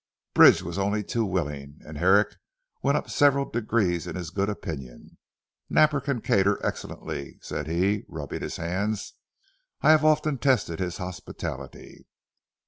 Bridge was only too willing, and Herrick went up several degrees in his good opinion. "Napper can cater excellently," said he rubbing his hands. "I have often tested his hospitality."